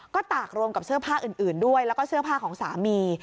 ก็ตากรวมกับเสื้อผ้าอื่นด้วยแล้วก็เสื้อผ้าของสามี